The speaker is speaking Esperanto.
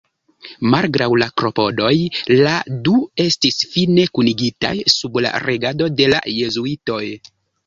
Malgraŭ la klopodoj, la du estis fine kunigitaj sub la regado de la jezuitoj.